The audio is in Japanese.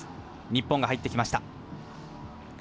日本が入ってきました。